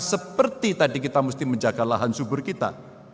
seperti tadi kita mesti menjaga lahan subur kita